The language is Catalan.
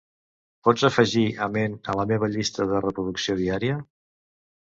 Pots afegir Amen a la meva llista de reproducció diària?